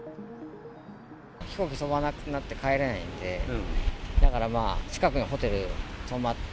飛行機が飛ばなくなって帰れないんで、だからまあ、近くのホテルに泊まって。